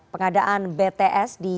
pengadaan bts di